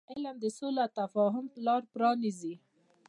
علم د سولې او تفاهم لار پرانیزي.